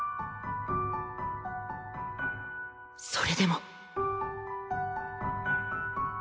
それでも